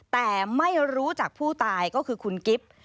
แต่ไม่รู้จักผู้ตายก็คือคุณกิฟต์